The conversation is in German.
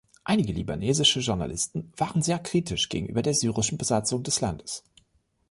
Einige libanesische Journalisten waren sehr kritisch gegenüber der syrischen Besetzung des Landes.